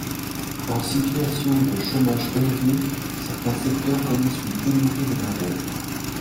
En situation de chômage élevé, certains secteurs connaissent une pénurie de main d’œuvre.